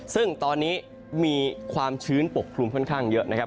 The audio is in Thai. ซึ่งตอนนี้มีความชื้นปกคลุมค่อนข้างเยอะนะครับ